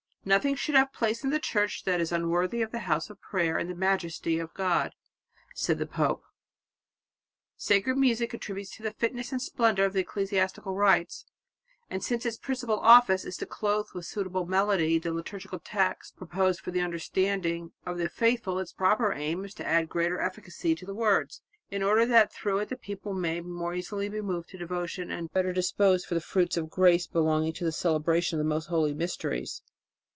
"Nothing should have place in the church that is unworthy of the house of prayer and the majesty of God," said the pope. "Sacred music contributes to the fitness and splendour of the ecclesiastical rites, and since its principal office is to clothe with suitable melody the liturgical text proposed for the understanding of the faithful, its proper aim is to add greater efficacy to the words, in order that through it the people may be the more easily moved to devotion and better disposed for the fruits of grace belonging to the celebration of the most holy mysteries.